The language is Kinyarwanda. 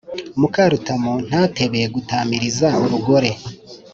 Mukarutamu ntatebe gutamiriza urugore